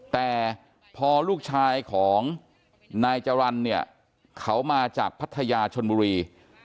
แต่พอลูกชายของนายจรรย์เนี่ยเขามาจากพัทยาชนบุรี